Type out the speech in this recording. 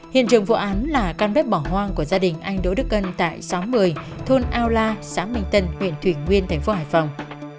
hiện trường vụ án là căn bếp bỏ hoang của gia đình anh đỗ đức ân tại sáu mươi thôn ao la xã bình tân huyện thuyền nguyên tp hải phòng